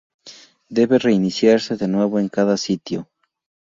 Debe reiniciarse de nuevo en cada sitio.